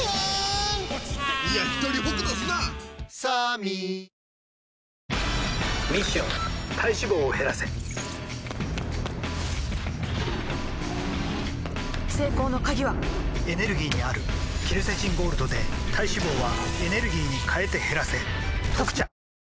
ミッション体脂肪を減らせ成功の鍵はエネルギーにあるケルセチンゴールドで体脂肪はエネルギーに変えて減らせ「特茶」